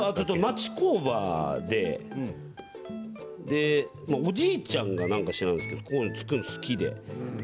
町工場でおじいちゃんがなんか知らないけどこういうのを作るの好きで。